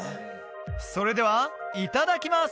それではいただきます！